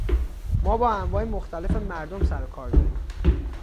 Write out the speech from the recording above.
ما با انواع مختلف مردم سر و کار داریم.